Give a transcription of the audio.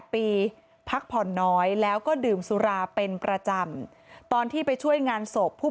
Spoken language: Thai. ปีพักผ่อนน้อยแล้วก็ดื่มสุราเป็นประจำตอนที่ไปช่วยงานศพผู้